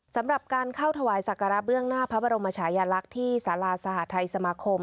สำหรับการเข้าถวายสักการะเบื้องหน้าพระบรมชายลักษณ์ที่สาราสหทัยสมาคม